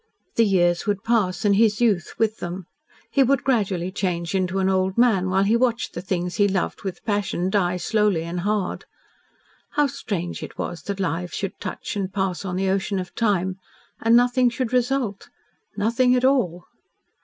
The years would pass, and his youth with them; he would gradually change into an old man while he watched the things he loved with passion die slowly and hard. How strange it was that lives should touch and pass on the ocean of Time, and nothing should result nothing at all!